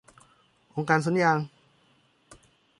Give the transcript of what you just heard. องค์การสวนยาง